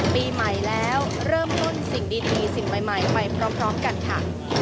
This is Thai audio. ปีใหม่แล้วเริ่มต้นสิ่งดีสิ่งใหม่ไปพร้อมกันค่ะ